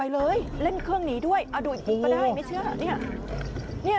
เลยเล่นเครื่องหนีด้วยเอาดูอีกทีก็ได้ไม่เชื่อเนี่ย